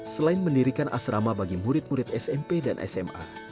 selain mendirikan asrama bagi murid murid smp dan sma